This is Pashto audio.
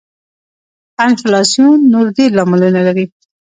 انفلاسیون نور ډېر لاملونه لري.